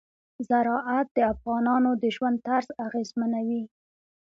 زراعت د افغانانو د ژوند طرز اغېزمنوي.